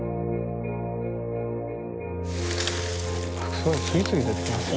すごい次々出てきますよ。